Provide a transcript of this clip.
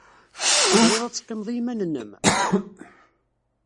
Triḍ ad teqqimeḍ i yiman-nnem?